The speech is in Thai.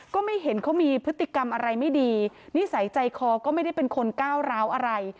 ก็ไม่เห็นเขามีพฤติกรรมอะไรไม่ดีนิสัยใจคอก็ไม่ได้เป็นคนก้าวร้าวอะไร